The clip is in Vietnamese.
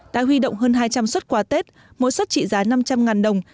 đã huy động hơn hai trăm linh xuất quà tết mỗi suất trị giá năm trăm linh đồng